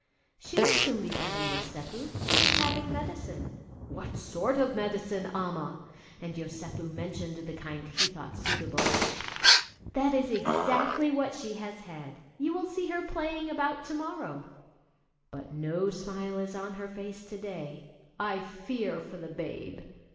"She will soon be better, Yosépu; she is having medicine." "What sort of medicine, Amma?" and Yosépu mentioned the kind he thought suitable. "That is exactly what she has had; you will see her playing about to morrow." "But no smile is on her face to day; I fear for the babe."